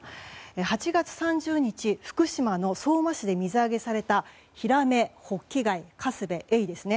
８月３０日福島の相馬市で水揚げされたヒラメ、ホッキ貝、カスベエイですね。